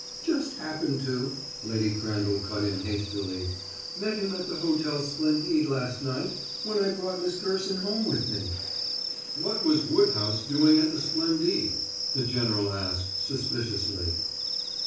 "Just happened to," Lady Crandall cut in hastily. "Met him at the Hotel Splendide last night when I brought Miss Gerson home with me." "What was Woodhouse doing at the Splendide?" the general asked suspiciously.